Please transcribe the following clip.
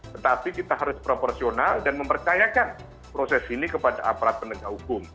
tetapi kita harus proporsional dan mempercayakan proses ini kepada aparat penegak hukum